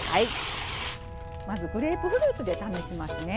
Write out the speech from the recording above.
まずグレープフルーツで試しますね。